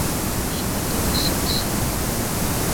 solateni singsi